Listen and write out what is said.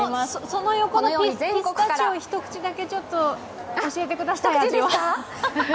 その横のピスタチオ、一口だけ教えてください、味を。